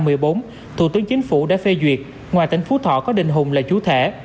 trước đó năm hai nghìn một mươi bốn thủ tướng chính phủ đã phê duyệt ngoài tỉnh phú thọ có đình hùng là chú thể